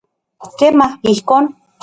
Kema, ijkon.